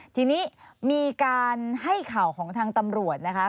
ทีนี้มีการให้ข่าวของทางตำรวจนะคะ